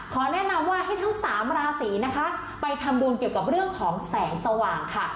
แนะนำว่าให้ทั้งสามราศีนะคะไปทำบุญเกี่ยวกับเรื่องของแสงสว่างค่ะ